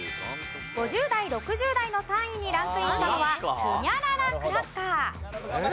５０代６０代の３位にランクインしたのはホニャララクラッカー。